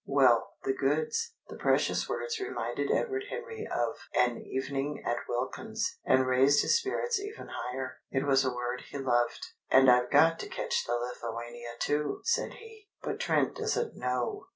"Well the goods." The precious words reminded Edward Henry of an evening at Wilkins's, and raised his spirits even higher. It was a word he loved. "And I've got to catch the Lithuania, too!" said he. "But Trent doesn't know!